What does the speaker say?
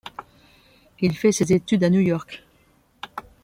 Il fait ses études à New York.